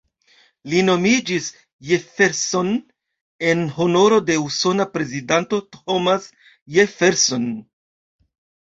Li nomiĝis "Jefferson" en honoro de usona prezidanto, Thomas Jefferson.